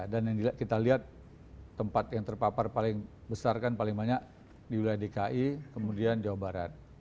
dan yang kita lihat tempat yang terpapar paling besar kan paling banyak di wilayah dki kemudian jawa barat